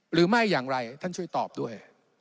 หรือไม่อย่างไรท่านช่วยตอบด้วย